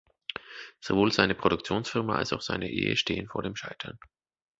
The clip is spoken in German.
Sowohl seine Produktionsfirma als auch seine Ehe stehen vor dem Scheitern.